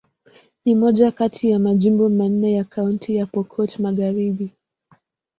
Ni moja kati ya majimbo manne ya Kaunti ya Pokot Magharibi.